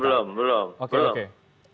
belum belum belum